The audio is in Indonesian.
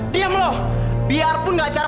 diam lo biarpun gak acara